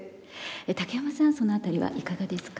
竹山さんその辺りはいかがですか？